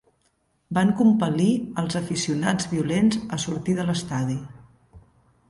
Van compel·lir els aficionats violents a sortir de l'estadi.